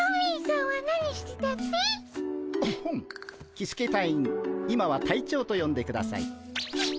キスケ隊員今は隊長とよんでください。